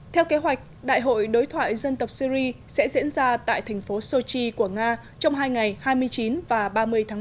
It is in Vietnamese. theo kế hoạch đại hội đối thoại dân tộc syri sẽ diễn ra tại thành phố sochi của nga trong hai ngày hai mươi chín và ba mươi tháng một mươi